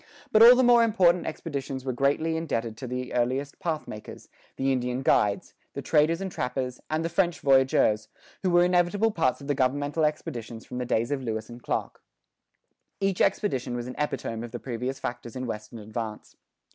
But all the more important expeditions were greatly indebted to the earliest pathmakers, the Indian guides, the traders and trappers, and the French voyageurs, who were inevitable parts of governmental expeditions from the days of Lewis and Clark.[17:1] Each expedition was an epitome of the previous factors in western advance.